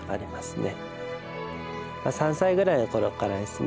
３歳ぐらいの頃からですね